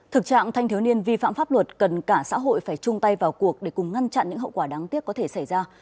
thực trạng thanh thiếu niên vi phạm pháp luật cần cả xã hội phải chung tay vào cuộc để cùng ngăn chặn những hậu quả đáng tiếc có thể xảy ra